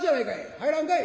入らんかい。